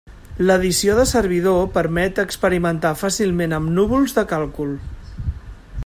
L'edició de servidor permet experimentar fàcilment amb núvols de càlcul.